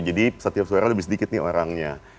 jadi setiap suara lebih sedikit nih orangnya